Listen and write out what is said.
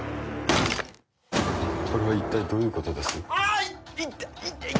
これは一体どういうことです？